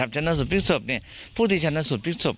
ชำนาสูตรฤทธิ์ศพพูดที่ชำนาสูตรฤทธิ์ศพ